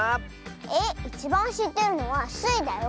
えっいちばんしってるのはスイだよ。